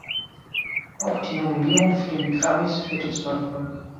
Auch die Nominierung für den Grammis führte zum Erfolg.